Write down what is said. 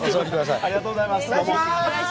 ありがとうございます。